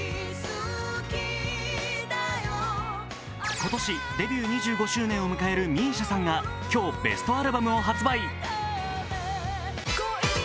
今年デビュー２５周年を迎えるＭＩＳＩＡさんが今日、ベストアルバムを発売。